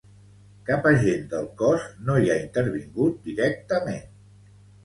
Cap agent del cos no hi ha intervingut directament.